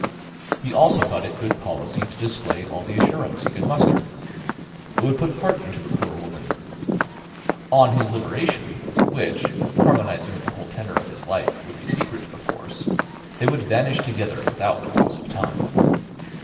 He also thought it good policy to display all the assurance he could muster. It would put heart into the poor woman. On his liberation, which, harmonising with the whole tenor of his life, would be secret, of course, they would vanish together without loss of time.